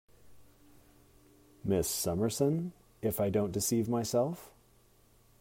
Miss Summerson, if I don't deceive myself?